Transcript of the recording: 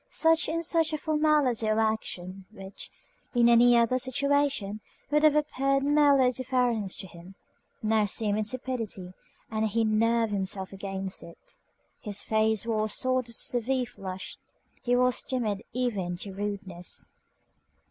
Such and such a formality or action, which, in any other situation would have appeared merely a deference to him, now seemed insipidity, and he nerved himself against it. His face wore a sort of severe flush. He was timid even to rudeness.